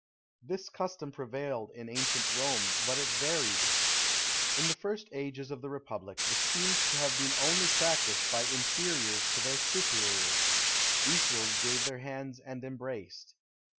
This custom prevailed in ancient Rome, but it varied. In the first ages of the republic, it seems to have been only practised by inferiors to their superiors: equals gave their hands and embraced.